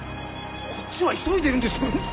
こっちは急いでるんです。